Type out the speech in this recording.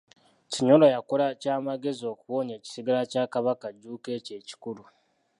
Kinyolo yakola kya magezi okuwonya ekisigala kya Kabaka Jjuuko ekyo ekikulu.